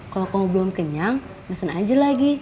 kalau kamu belum kenyang mesen aja lagi